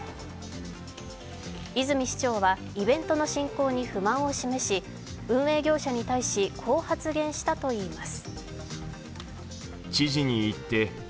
泉市長はイベントの進行に不満を示し運営業者に対し、こう発言したといいます。